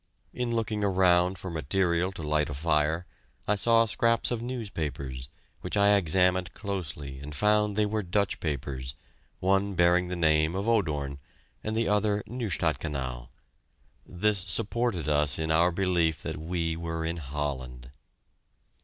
In looking around for material to light a fire, I saw scraps of newspapers, which I examined closely and found they were Dutch papers, one bearing the name of "Odoorn" and the other "Nieuwstadskanaal." This supported us in our belief that we were in Holland.